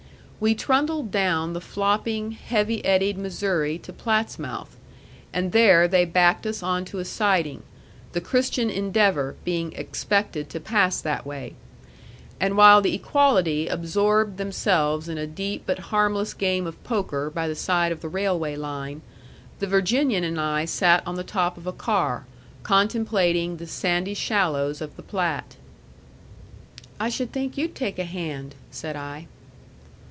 We trundled down the flopping, heavy eddied Missouri to Plattsmouth, and there they backed us on to a siding, the Christian Endeavor being expected to pass that way. And while the equality absorbed themselves in a deep but harmless game of poker by the side of the railway line, the Virginian and I sat on the top of a car, contemplating the sandy shallows of the Platte. "I should think you'd take a hand," said I.